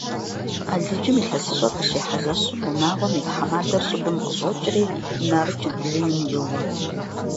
Алыджым илъэсыщӀэр къыщихьэ жэщым унагъуэм и тхьэмадэр щӀыбым къыщӀокӀри, нарыкӀэ блыным йоуэ.